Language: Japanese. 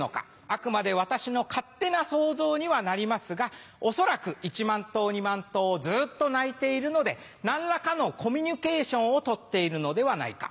あくまで私の勝手な想像にはなりますがおそらく１万頭２万頭ずっと鳴いているので何らかのコミュニケーションを取っているのではないか。